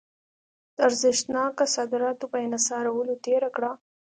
د ارزښتناکه صادراتو په انحصارولو تېره کړه.